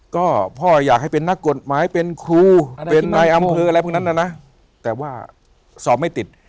ก็พ่ออยากให้เป็นนักกฎหมายเป็นครูเป็นนายอำเภออะไรพวกนั้นนะแต่ว่าสอบไม่ติด